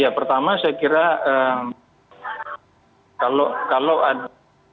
ya pertama saya kira kalau ada